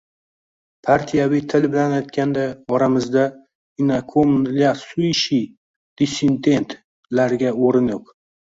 Partiyaviy til bilan aytganda, oramizda «inakomnslyayushie dissident»larga o‘rin yo‘q!